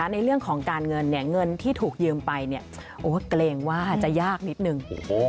ในเรื่องของการเงินเงินที่ถูกยืมไปเกรงว่าจะยากนิดนึง